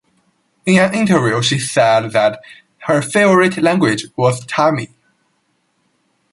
In an interview she said that her favourite language was Tamil.